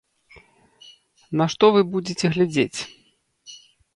На што вы будзеце глядзець?